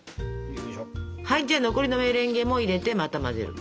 はいじゃあ残りのメレンゲも入れてまた混ぜる。